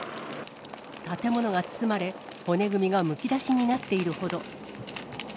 建物が包まれ、骨組みがむき出しになっているほど。